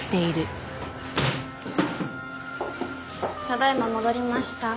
ただ今戻りました。